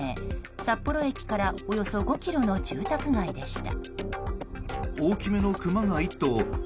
札幌駅からおよそ５ｋｍの住宅街でした。